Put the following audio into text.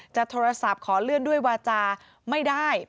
โทรศัพท์ขอเลื่อนด้วยวาจาไม่ได้